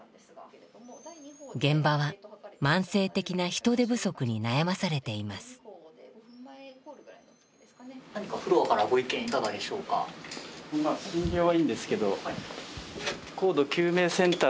現場は慢性的な人手不足に悩まされています。